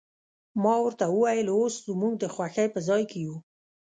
ما ورته وویل، اوس زموږ د خوښۍ په ځای کې یو.